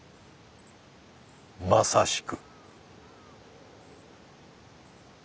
まさしく。